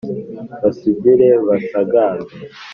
basugire basagambe